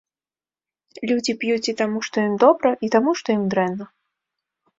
Людзі п'юць і таму, што ім добра, і таму, што ім дрэнна.